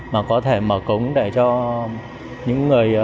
mà có thể mở cống để cho những người